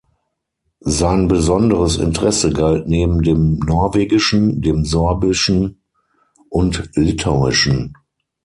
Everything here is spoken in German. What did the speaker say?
Sein besonderes Interesse galt neben dem Norwegischen, dem Sorbischen und Litauischen.